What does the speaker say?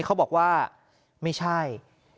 เขาบอกว่าไม่ใช่